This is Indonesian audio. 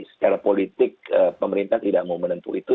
secara politik pemerintah tidak mau menempuh itu